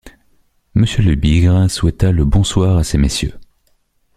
Monsieur Lebigre souhaita le bonsoir à ces messieurs.